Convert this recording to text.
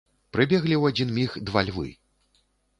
Прыбеглі ў адзін міг два львы.